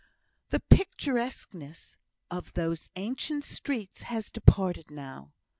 The picturesqueness of those ancient streets has departed now.